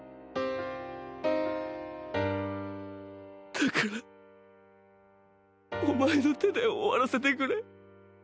だからお前の手で終わらせてくれ。